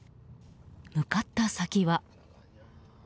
向かった先は。